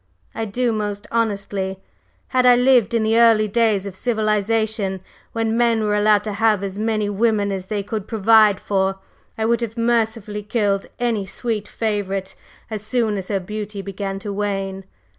"I do, most honestly. Had I lived in the early days of civilization, when men were allowed to have as many women as they could provide for, I would have mercifully killed any sweet favorite as soon as her beauty began to wane.